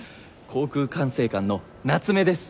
航空管制官の夏目です。